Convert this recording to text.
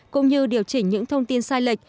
cũng như điều chỉnh những thông tin sai lệch